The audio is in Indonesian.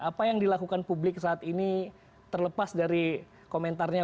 apa yang dilakukan publik saat ini terlepas dari komentarnya